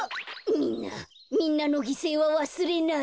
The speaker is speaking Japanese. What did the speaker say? みんなのぎせいはわすれない。